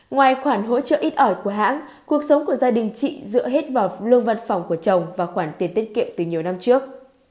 ngoài khoản hỗ trợ ít ỏi của hãng cuộc sống của gia đình chị dựa hết vào lương văn phòng của chồng và khoản tiền tiết kiệm từ nhiều năm trước